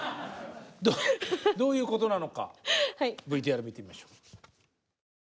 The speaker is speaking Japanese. どういうことなのかＶＴＲ見てみましょう。